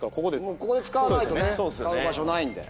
もうここで使わないとね使う場所ないんで。